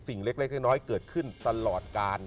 สิ่งเล็กน้อยเกิดขึ้นตลอดการ